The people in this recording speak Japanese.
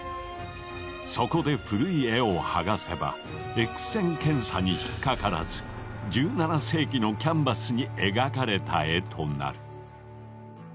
そこで古い絵を剥がせばＸ線検査に引っ掛からず１７世紀のキャンバスに描かれた絵となる。